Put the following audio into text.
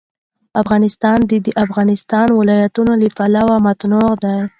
افغانستان د د افغانستان ولايتونه له پلوه متنوع دی.